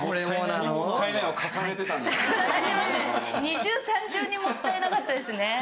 二重三重にもったいなかったですね。